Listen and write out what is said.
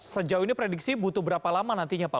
sejauh ini prediksi butuh berapa lama nantinya pak